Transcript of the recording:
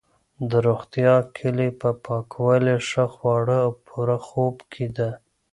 د روغتیا کلي په پاکوالي، ښه خواړه او پوره خوب کې ده.